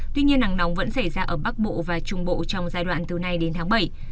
tuy nhiên nắng nóng vẫn xảy ra ở bắc bộ và trung bộ trong giai đoạn từ nay đến tháng bảy